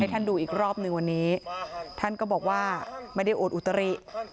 ท่านดูอีกรอบหนึ่งวันนี้ท่านก็บอกว่าไม่ได้โอดอุตริ